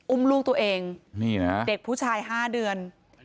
อุ้มลูกตัวเองนี่นะเด็กผู้ชาย๕เดือน